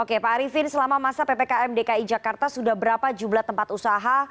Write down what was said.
oke pak arifin selama masa ppkm dki jakarta sudah berapa jumlah tempat usaha